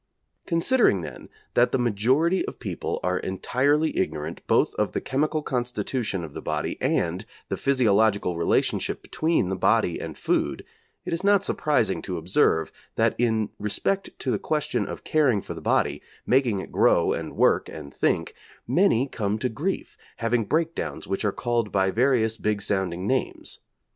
Considering, then, that the majority of people are entirely ignorant both of the chemical constitution of the body, and the physiological relationship between the body and food, it is not surprising to observe that in respect to this question of caring for the body, making it grow and work and think, many come to grief, having breakdowns which are called by various big sounding names.